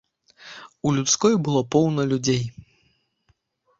У людской было поўна людзей.